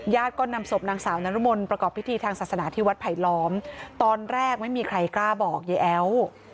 ก็นำศพนางสาวนรมนประกอบพิธีทางศาสนาที่วัดไผลล้อมตอนแรกไม่มีใครกล้าบอกยายแอ๋ว